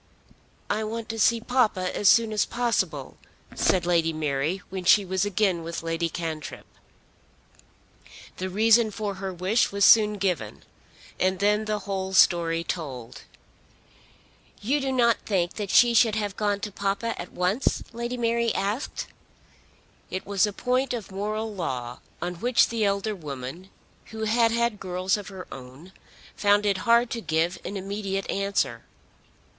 "I want to see papa as soon as possible," said Lady Mary when she was again with Lady Cantrip. The reason for her wish was soon given, and then the whole story told. "You do not think that she should have gone to papa at once?" Lady Mary asked. It was a point of moral law on which the elder woman, who had had girls of her own, found it hard to give an immediate answer.